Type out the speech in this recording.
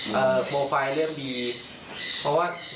โปรไฟล์เริ่มดี